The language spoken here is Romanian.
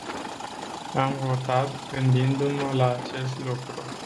Am votat gândindu-mă la acest lucru.